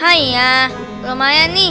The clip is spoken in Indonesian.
hai ya lumayan nih